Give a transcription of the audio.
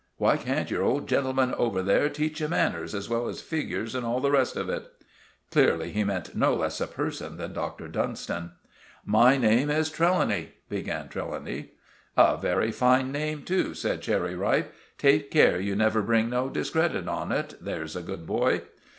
Why can't your old gentleman over there teach you manners as well as figures and all the rest of it?" Clearly he meant no less a person than Dr. Dunstan. "My name is Trelawny," began Trelawny. "A very fine name too," said Cherry Ripe. "Take care you never bring no discredit on it, there's a good boy."